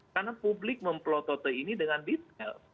karena publik memplotote ini dengan detail